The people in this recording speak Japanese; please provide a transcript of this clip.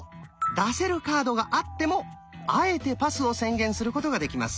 出せるカードがあってもあえてパスを宣言することができます。